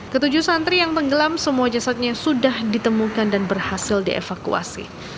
ketujuh santri yang tenggelam semua jasadnya sudah ditemukan dan berhasil dievakuasi